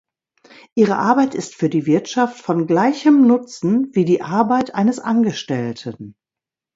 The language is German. Ihre Arbeit ist für die Wirtschaft von gleichem Nutzen wie die Arbeit eines Angestellten.